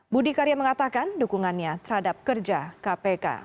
budi karya mengatakan dukungannya terhadap kerja kpk